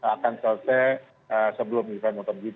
akan selesai sebelum event motogp